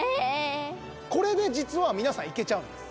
これで実は皆さん行けちゃうんです。